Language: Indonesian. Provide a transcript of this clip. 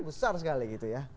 besar sekali gitu ya